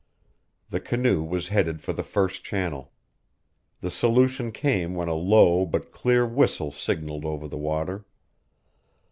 The canoe was headed for the first channel. The solution came when a low but clear whistle signaled over the water.